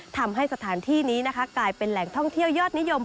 ทำให้สถานที่นี้นะคะกลายเป็นแหล่งท่องเที่ยวยอดนิยม